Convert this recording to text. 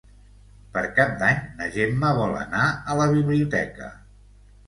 Per Cap d'Any na Gemma vol anar a la biblioteca.